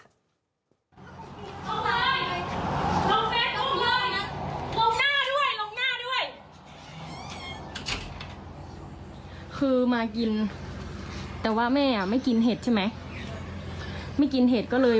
ลงไปลงไปลงเลยลงหน้าด้วยลงหน้าด้วย